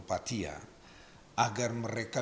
patia agar mereka